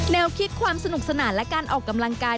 แนวคิดความสนุกสนานและการออกกำลังกาย